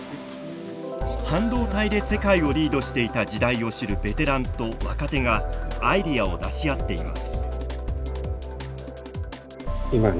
半導体で世界をリードしていた時代を知るベテランと若手がアイデアを出し合っています。